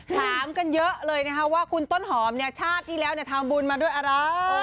ถามกันเยอะเลยนะคะว่าคุณต้นหอมเนี่ยชาติที่แล้วทำบุญมาด้วยอะไร